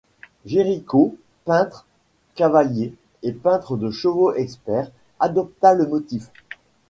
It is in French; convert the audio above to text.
Géricault, peintre, cavalier et peintre de chevaux expert, adopta le motif.